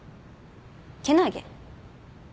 けなげ？